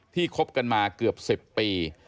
คบกันมาเกือบ๑๐ปี